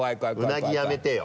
うなぎやめてよ。